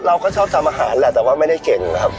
เราก็ชอบทำอาหารแหละแต่ว่าไม่ได้เก่งนะครับ